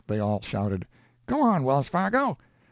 they all shouted. "Go on, Wells Fargo."